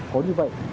có như vậy